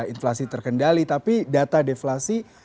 inflasi terkendali tapi data deflasi